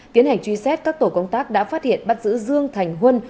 tiến hành truy xét các tổ công tác đã phát hiện bắt giữ dương thành huân